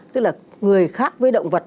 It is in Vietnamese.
tức là người khác với động vật